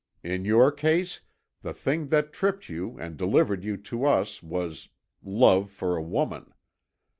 In your case the thing that tripped you and delivered you to us was love for a woman.